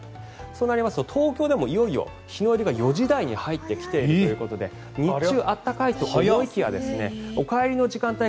そうなりますと東京でもいよいよ日の入りが４時台になってくるということで日中暖かいと思いきやお帰りの時間帯